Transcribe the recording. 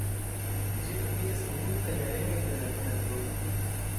Ĝi troviĝas en multaj areoj de la tera globo.